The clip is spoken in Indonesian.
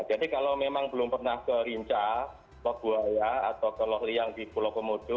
jadi kalau memang belum pernah ke rinca kelabuaya atau ke lohliang di pulau komodo